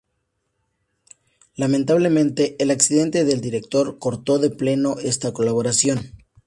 Lamentablemente, el accidente del director cortó de pleno esta colaboración.